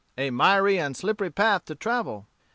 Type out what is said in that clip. A miry and slippery path to travel.'